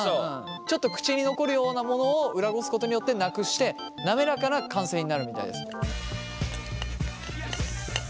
ちょっと口に残るようなものを裏ごすことによってなくして滑らかな完成になるみたいです。